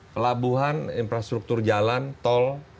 pelabuhan infrastruktur jalan tol